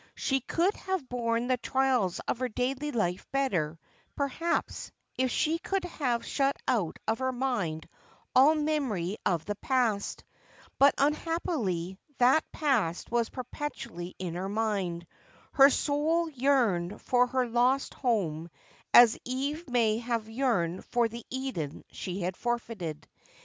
She could have borne the trials of her daily life better, per haps, if she could have shut out of her mind all memory of the past. But. unhappilv, that past was perpetually in her mind. Her soul yearned for her lost home as Eve may have yearned for the Eden she had forfeited.